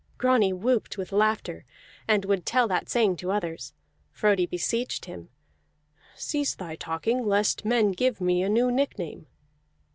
Grani whooped with laughter, and would tell that saying to others. Frodi beseeched him: "Cease thy talking, lest men give me a new nickname."